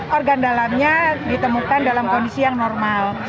organ dalamnya ditemukan dalam kondisi yang normal